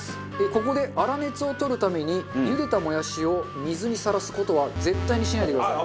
ここで粗熱を取るために茹でたもやしを水にさらす事は絶対にしないでください。